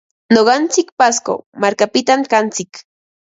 Nuqantsik pasco markapitam kantsik.